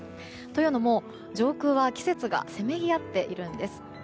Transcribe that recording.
というのも上空は季節がせめぎ合っているんです。